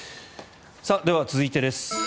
では、続いてです。